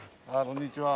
こんにちは。